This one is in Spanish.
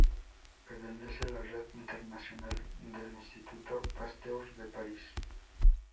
Pertenece a la red internacional del Instituto Pasteur de París.